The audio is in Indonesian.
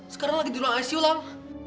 sekarang lagi di ruang icu lah